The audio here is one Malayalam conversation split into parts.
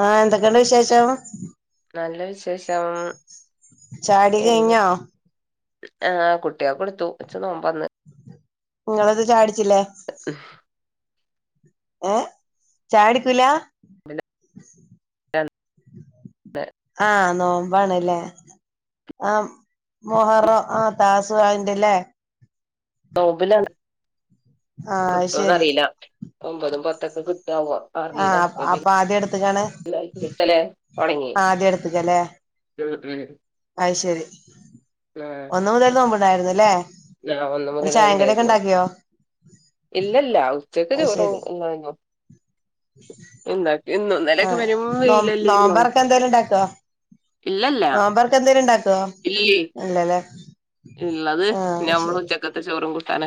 ആ എന്തൊക്കെണ്ട് വിശേഷം നല്ല വിശേഷം.... ചാടി എവിടെ കഴഞ്ഞോ ആ കുട്ടിക്കൊടുത്തു വച്ച നോമ്പന്ന് നിങ്ങളത് ചാടിച്ചില്ലേ ഹ്മ്മ് ഏ ചാടിക്കൂല [unintelligible] [inaudible] ആഹ് നോമ്പാണല്ലേ ഉം ആ മൊഹറോ ആഹ താസുആൻഡ്ല്ല്യേ നോമ്പുല ആഹ് അത് ശരി കിട്ടുവന്ന്റിയില്ല ഒമ്പതും പത്തൊക്കെ കി ആവ് അറീല ആഹ് അപ്പൊ ആദ്യം എടുത്തക്കാണ് യിച്ചാലേ ഒണങ്ങി ആദ്യം എടുത്തക്കല്ലേ മ്മ് മ്മ് അത് ശരി ഒന്ന്മുതൽ നോമ്പ്ഉണ്ടായിരുന്നുല്ലേ അ ഒന്ന് മുതല് ഉണ്ടായിരുന്നു ഇല്ലില്ല ചെക്കതി അത് കുറവ് ശരി ഒന്നഞ്ഞോ ആ നോ നോമ്പാറാക്കാൻ എന്തായാലും ഉണ്ടാക്കുവോ ഇല്ലല്ല നോമ്പാർക്ക് എന്തേലുംഉണ്ടാക്കുവോ ഇല്ലേ ഇല്ലലേ ഇള്ളത് ഞമ്മള് ഉച്ചക്കത്തെ ചോറും കുട്ടാന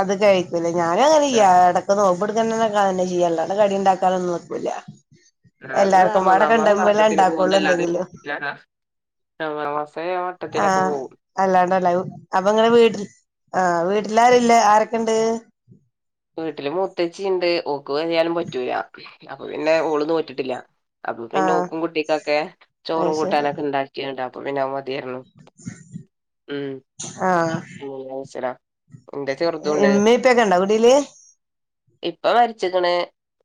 അത് കഴിക്കല ആ ഞാനുങ്ങനെചെയ്യ ഇടക്ക് നോമ്പ ഇവിടിത്തെ തന്നെക ചെയ്യാള്ളെ അത്കടി ഉണ്ടാക്കാനൊന്നുനിക്കൂല അത് എല്ലാർക്കും വാട റമദാൻ മാസ വട്ടത്തിന് കണ്ടപോലെഉണ്ടാകൊള്ളു പോകുന്നല്ലാതെ എന്തെങ്കിലും ആ റമദാൻ മാസേ വട്ടത്തിലൊക്കെ ആഹ പോകും അല്ലാണ്ടല്ല അഅതെങ്ങനെ വീട്ടില് ആഹ വീട്ടിലാരല്ലേ ആരൊക്കെ ഇണ്ട് വീട്ടിലും മുത്തച്ചിണ്ട് ഓക്ക് കയാലും പറ്റൂല അപ്പൊ പിന്നെ ഓള് നോറ്റിട്ടില്ല അപ്പൊ പിന്നെ ആഹ് ഓക്കും കുട്ടിക്കൊക്കെ അത് ശരി ചോറുംകൂട്ടാനൊക്കെഇണ്ടാക്കിണ്ട്അപ്പാപിന്നെനമ്മ തേര്ന്നു ഉം [unintelligible] എന്റെ ഇമ്മേ ഇപ്പൊക്കെണ്ടോ കുടില് ഇപ്പൊ വര്ച്ച്ക്ക്ണ്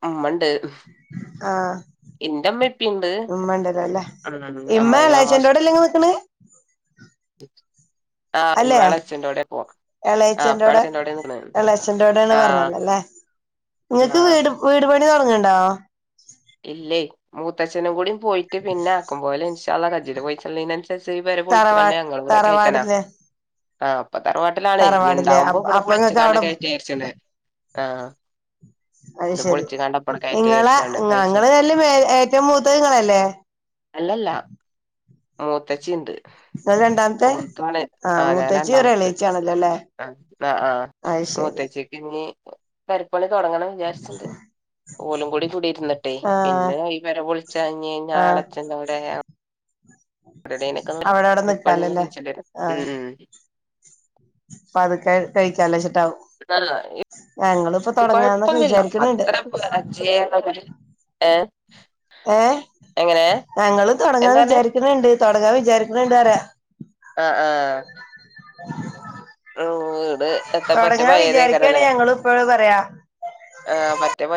ഇമ്മണ്ട് ആ ഇപ്പിണ്ട് ഉമ്മ ഉണ്ടല്ലോ ല്ലെ ഉം അമ്മായിമ്മ ഇമ്മഇളെച്ചെന്റൊടെ അല്ലെ നിങ്ങള്നിക്ക്ണ് ആ ഇമ്മ എളച്ഛന്റോടെ പ്പൊ എളയച്ചന്റോടെ എളയച്ചന്റോടെന്ന് പറഞ്ഞല്ലോല്ലേ ആഹ് നിങ്ങക്ക് ആഹ് വീട് വീട് പണി തൊട്ങ്ങ്ണ്ടോ ഇല്ലേ മൂത്തച്ഛനും കൂടി പോയിട്ട് പിന്നെ ആക്കമ്പോലെ ഇൻഷാ അള്ളാ കജിൽ പയ്സള്ളേന് അൻ എ സ് പെര പൊളിച്ച് തറവാ കാണ്ട് ഞങ്ങൾ കൂടെ കഴറ്റണാ തറവാടില് ആ പ്പത്താറവാട്ടിലാണ് ഇനി തറവാടില്ലേ ഇണ്ടാവുമ്പോ ഇവിടെ അപ്പങ്ങക്ക് പൊളിച്ചക്കാണ്ട് അവിടെ കെഴ്റ്റാ വിചാരിച്ച്ണ് ആ അത് ശെരി നിങ്ങളെ വിചാരിച്ചാണ്ട് [unintelligible] പൈസ ഞങ്ങള് നല്ല മേ ഏറ്റവും മൂത്തങ്ങളല്ലേ അല്ലല്ല മൂത്തച്ചിണ്ട് രണ്ടാമത്തെ ഓക്കാണ് ആഹ് ആനാന മൂത്തച്ചി ഒരു ണ്ടാവത്ത എളേച്ചിയാണല്ലോ അല്ലേ അ ദ ആ അത് ശരി മൂത്തചിക്ക് ഇഞ്ഞി പെര പണി തുടങ്ങണം വിചാരിച്ചിണ്ട് ഓലും കൂടി കുടി ഇരുന്നിട്ടെ ആഹ് പിന്നെ ഈ പെര പൊളിച്ചാഞ്ഞ് ആഹ് ഞാളെച്ന്റെ അവിടെ [unintelligible] [unintelligible] [unintelligible] അവിടെ അവിടെ നിക്കാലല്ലേ ഉം ഉം അപ്പ അത് കഴി കഴിക്കാല ശ നല്ല ഇ തുടങ്ങാന്നൊക്കെ കുഴപ്പൊന്നില്ല വിചാരിക്കണണ്ട് അത്ര [unintelligible] ഏ ഏ ഞങ്ങള് തുടങ്ങാൻ എന്താണ് വിചാരിക്കണിണ്ട് തുടങ്ങാൻ വിചാരിക്കണിണ്ട് അർയാ അ ആ [unintelligible] [unintelligible] എത്ത പറ്റ തുടങ്ങാൻ വിചാരിക്കയാണ് പഴേതേക്കാരലേ ഞങ്ങളും ഇപ്പോഴും പറയാ ആ പറ്റ പ